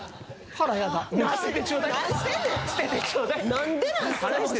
何でなんすか！